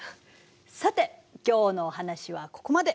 さて今日のお話はここまで。